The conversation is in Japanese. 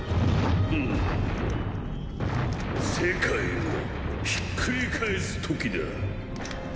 世界をひっくり返す時だ。